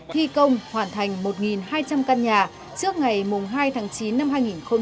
thi công hoàn thành một hai trăm linh căn nhà trước ngày hai tháng chín năm hai nghìn hai mươi